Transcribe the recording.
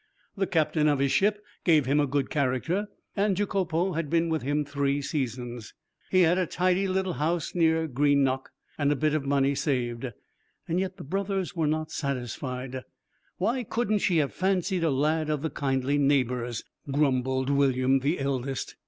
The captain of his ship gave him a good character, and Jacopo had been with him three seasons. He had a tidy little house near Greenock, and a bit of money saved. Yet the brothers were not satisfied. 'Why couldn't she have fancied a lad of the kindly neighbours?' grumbled William, the eldest.